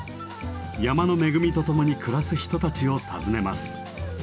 山の恵みと共に暮らす人たちを訪ねます。